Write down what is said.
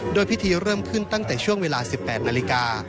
โดยพิธีเริ่มขึ้นตั้งแต่ช่วงเวลา๑๘นาฬิกา